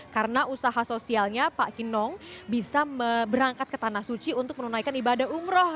karena usaha sosialnya pak kinong bisa berangkat ke tanah suci untuk menunaikan ibadah umroh